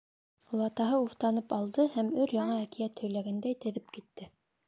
Олатаһы уфтанып алды һәм өр-яңы әкиәт һөйләгәндәй теҙеп китте: